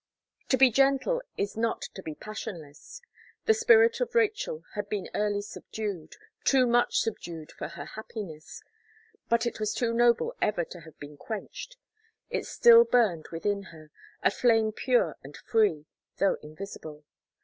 To be gentle is not to be passionless. The spirit of Rachel had been early subdued, too much subdued for her happiness; but it was too noble ever to have been quenched. It still burned within her, a flame pure and free, though invisible.